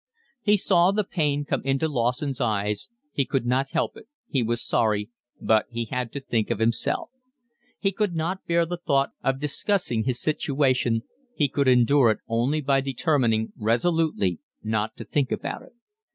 He saw the pain come into Lawson's eyes, he could not help it, he was sorry, but he had to think of himself; he could not bear the thought of discussing his situation, he could endure it only by determining resolutely not to think about it.